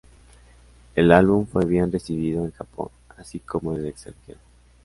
El álbum fue bien recibido en Japón, así como en el extranjero.